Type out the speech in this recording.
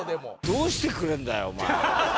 どうしてくれんだよお前。